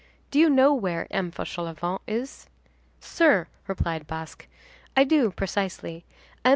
"Do you know where M. Fauchelevent is?" "Sir," replied Basque, "I do, precisely. M.